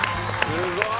すごい。